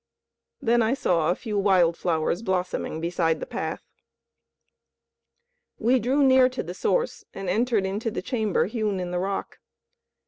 Then I saw a few wild flowers blossoming beside the path. We drew near to the Source, and entered into the chamber hewn in the rock.